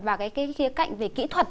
và cái khía cạnh về kỹ thuật